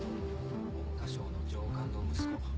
文科省の上官の息子。